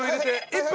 １分！